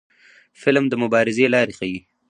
فلم د مبارزې لارې ښيي